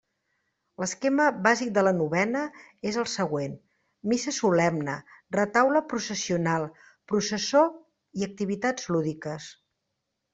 L'esquema bàsic de la novena és el següent: missa solemne, retaule processional, processó i activitats lúdiques.